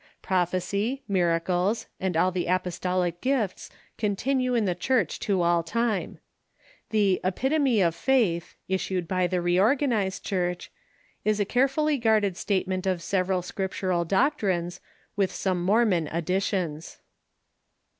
Prophecy, miracles, and all the apostolic gifts continue in the Church to all time. The "Epitome of Faith," issued by the Reorganized Church, is a carefully guarded statement of several Scriptural doctrines, with some Mormon additions.